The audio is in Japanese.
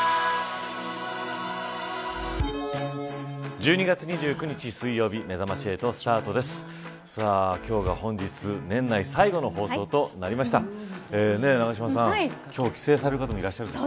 １２月２９日水曜日めざまし８スタートです。